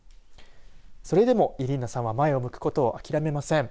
それでもイリーナさんは前を向くことを諦めません。